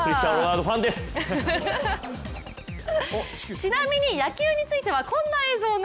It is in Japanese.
ちなみに野球についてはこんな映像が。